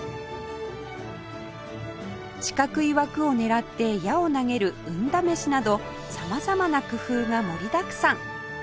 四角い枠を狙って矢を投げる運試しなど様々な工夫が盛りだくさん